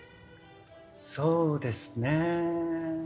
そうですね。